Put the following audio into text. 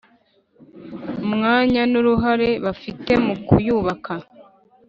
umwanya n’uruhare bafite mu kuyubaka.